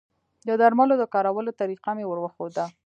د درملو د کارولو طریقه مې وروښوده